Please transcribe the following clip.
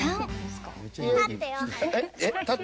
えっ？